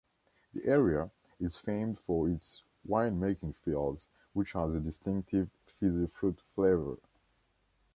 The area is famed for its wine-making fields which has a distinctive fizzy-fruit flavour.